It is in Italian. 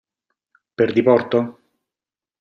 Per diporto?